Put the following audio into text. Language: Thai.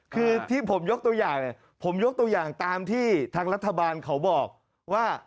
คือที่ผมยกตัวอย่างเนี่ยผมยกตัวอย่างตามที่ทางรัฐบาลเขาบอกว่า